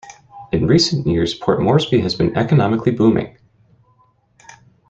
In recent years Port Moresby has been economically booming.